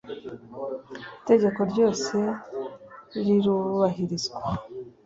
itegeko ryose rirubahirizwa.